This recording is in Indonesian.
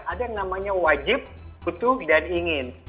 ada yang namanya wajib butuh dan ingin